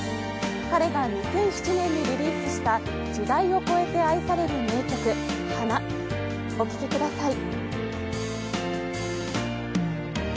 彼が２００７年にリリースした時代を超えて愛される名曲「花」お聴きください。